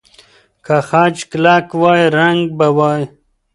که خج کلک وای، رنګ به وای.